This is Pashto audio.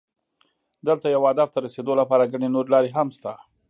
دلته یو هدف ته رسېدو لپاره ګڼې نورې لارې هم شته.